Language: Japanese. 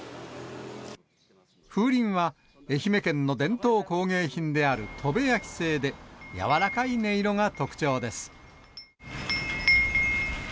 風鈴は、愛媛県の伝統工芸品である砥部焼製で、柔らかい音色が特徴です。